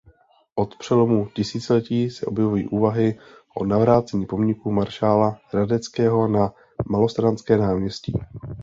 Od přelomu tisíciletí se objevují úvahy o navrácení pomníku maršála Radeckého na Malostranské náměstí.